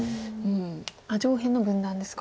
上辺の分断ですか。